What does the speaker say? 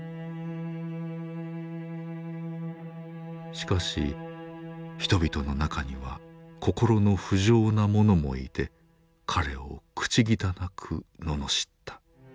しかし人々の中には心の不浄な者もいて彼を口汚く罵った。